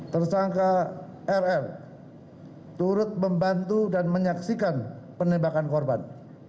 tersangka rr turut membantu dan menyaksikan penembakan korban